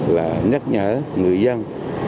là nhắc nhở người dân